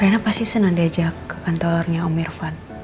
karena pasti senang diajak ke kantornya om irfan